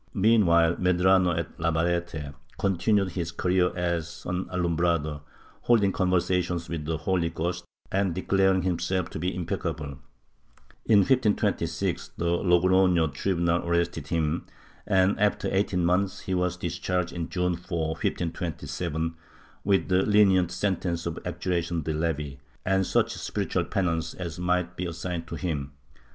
Mean while Medrano, at Navarrete continued his career as an Alum brado, holding conversations with the Holy Ghost and declaring himself to be impeccable. In 1526 the Logrofio tribunal arrested him and, after nearly eighteen months, he was discharged June 4, 1527, with the lenient sentence of abjuration de levi and such spir itual penance as might be assigned to him.